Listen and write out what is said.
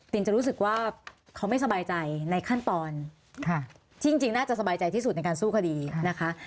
จะรู้สึกว่าเขาไม่สบายใจในขั้นตอนที่จริงน่าจะสบายใจที่สุดในการสู้คดีนะคะ